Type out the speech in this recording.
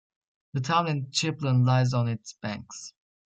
The town of Chiplun lies on its banks.